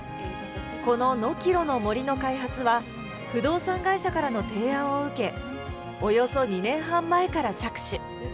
この野きろの杜の開発は、不動産会社からの提案を受け、およそ２年半前から着手。